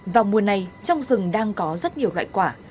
vào mùa này trong rừng đang có rất nhiều loại quả